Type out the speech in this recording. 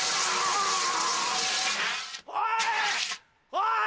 おい！